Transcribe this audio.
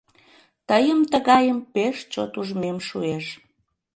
Тыйым тыгайым пеш чот ужмем шуэш.